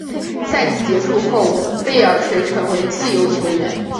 赛季结束后贝尔垂成为自由球员。